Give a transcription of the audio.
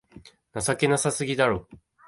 情けなさすぎだろ